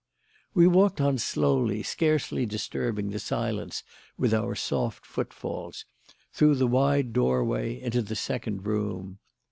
We walked on slowly, scarcely disturbing the silence with our soft foot falls, through the wide doorway into the second room.